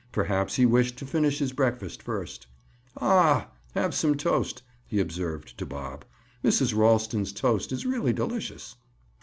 Perhaps he wished to finish his breakfast first. "Aw!—Have some toast," he observed to Bob. "Mrs. Ralston's toast is really delicious."